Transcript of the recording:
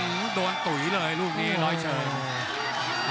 โอ้โหโดนตุ๋ยเลยลูกนี้ร้อยเชิง